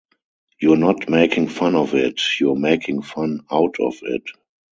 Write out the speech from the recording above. You're not making fun of it; you're making fun "out" of it.